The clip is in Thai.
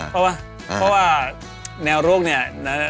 เพราะว่าแนวโลกเนี่ย